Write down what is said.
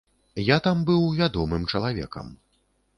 Я там быў вядомым чалавекам.